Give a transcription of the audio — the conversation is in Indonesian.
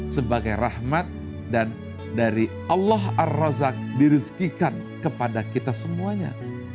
sebagai rahmat dan dari allah ar rozak dirizkikan kepada kita semuanya